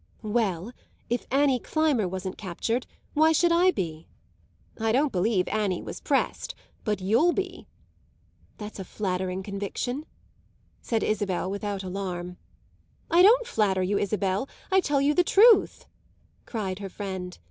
"Well, if Annie Climber wasn't captured why should I be?" "I don't believe Annie was pressed; but you'll be." "That's a flattering conviction," said Isabel without alarm. "I don't flatter you, Isabel, I tell you the truth!" cried her friend.